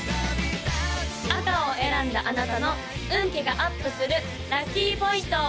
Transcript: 赤を選んだあなたの運気がアップするラッキーポイント！